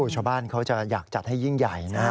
ชาวบ้านเขาจะอยากจัดให้ยิ่งใหญ่นะ